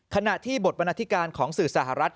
ขณะที่บทบรรณาธิการของสื่อสหรัฐ